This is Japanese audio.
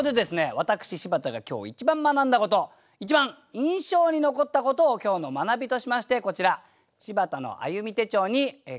私柴田が今日一番学んだこと一番印象に残ったことを今日の学びとしましてこちら「柴田の歩み」手帳に書き記したので発表いたします。